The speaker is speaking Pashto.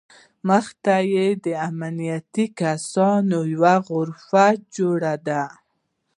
مخې ته یې د امنیتي کسانو یوه غرفه جوړه ده.